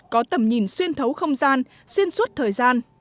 có tầm nhìn xuyên thấu không gian xuyên suốt thời gian